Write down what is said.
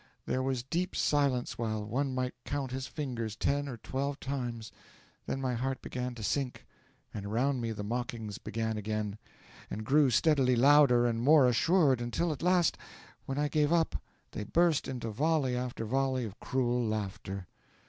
There was deep silence while one might count his fingers ten or twelve times, then my heart began to sink, and around me the mockings began again, and grew steadily louder and more assured, until at last, when I gave up, they burst into volley after volley of cruel laughter.